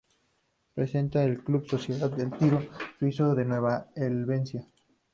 Representa al club Sociedad Tiro Suizo, de Nueva Helvecia.